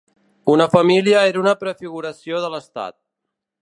Una família era una prefiguració de l'estat.